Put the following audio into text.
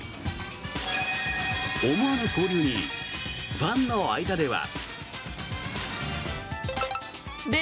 思わぬ交流にファンの間では。